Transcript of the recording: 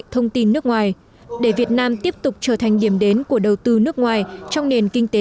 thông tin nước ngoài để việt nam tiếp tục trở thành điểm đến của đầu tư nước ngoài trong nền kinh tế